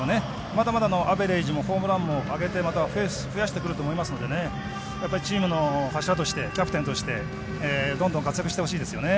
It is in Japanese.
まだまだアベレージもホームランも上げてくると思うのでやっぱりチームの柱としてキャプテンとしてどんどん活躍してほしいですね。